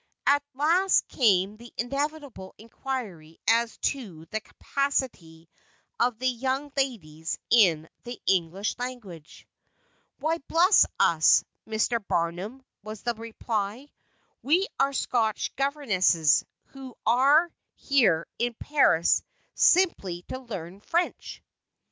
At last came the inevitable inquiry as to the capacity of the young ladies in the English language: "Why, bless us, Mr. Barnum," was the reply; "we are Scotch governesses, who are here in Paris simply to learn French!"